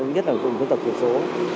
nhất là những dân tộc tuyển số